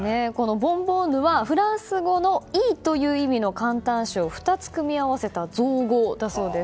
ボンボーヌはフランス語の良いという意味の感嘆詞を２つ組み合わせた造語だそうです。